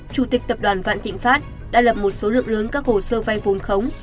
chủ tịch tập đoàn vạn thịnh pháp đã lập một số lượng lớn các hồ sơ vay vốn khống